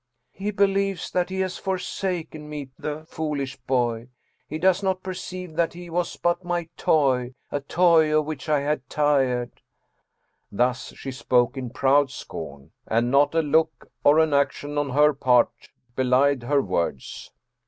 ' He believes that he has forsaken me, the foolish boy ! He does not perceive that he was but my toy, a toy of which I had tired.' Thus she spoke in proud scorn, and not a look or an action on her part belied her words.